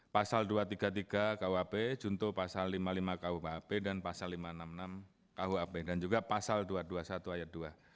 pasal dua ratus tiga puluh tiga kuap junto pasal lima puluh lima kuhp dan pasal lima ratus enam puluh enam kuhp dan juga pasal dua ratus dua puluh satu ayat dua